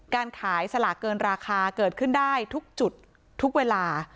การขายสลากเกินราคาเกิดขึ้นได้ทุกจุดทุกเวลา